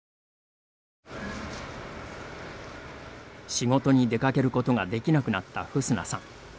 仕事に出かけることができなくなったフスナさん。